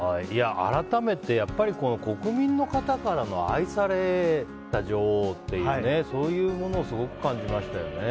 改めてやっぱり国民の方からの愛された女王というそういうものをすごく感じましたよね。